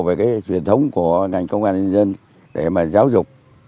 về truyền thống của ngành công an nhân dân để giáo dục